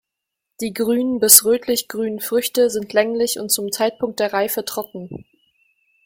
Die grünen bis rötlich-grünen Früchte sind länglich und zum Zeitpunkt der Reife trocken.